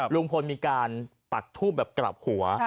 ลุงพลมีการปักทูบแบบกลับหัว